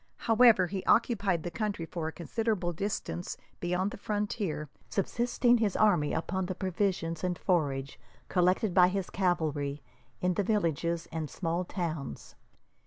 However, he occupied the country for a considerable distance beyond the frontier, subsisting his army upon the provisions and forage collected by his cavalry in the villages and small towns.